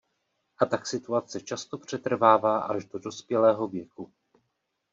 A tak situace často přetrvává až do dospělého věku.